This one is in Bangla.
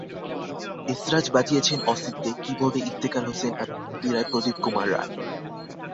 এসরাজ বাজিয়েছেন অসিত দে, কি-বোর্ডে ইফতেখার হোসেন এবং মন্দিরায় প্রদীপ কুমার রায়।